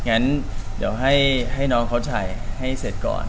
เลยเดี๋ยวให้น้องเขาดูให้เสร็จก่อน